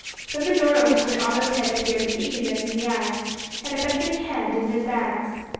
Then the door opened, and Otto's head appeared with eagerness in the eyes, and a beckoning hand in advance.